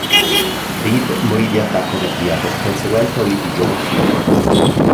Reed morì di attacco cardiaco conseguente a un litigio con Phillip.